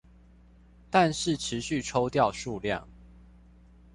但是持續抽掉數量